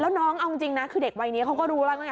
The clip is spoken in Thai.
แล้วน้องเอาจริงนะเขาเด็กวันนี้เขาก็ดูเนี่ย